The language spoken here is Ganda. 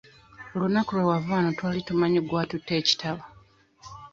Olunaku lwe wava wano twali tumanyi gwe atutte ekitabo.